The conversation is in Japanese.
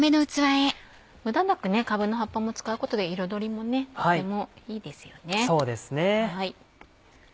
無駄なくかぶの葉っぱも使うことで彩りもとてもいいですよね。